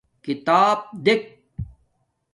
کھیتاپ دیکھ